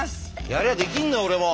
やりゃできんの俺も。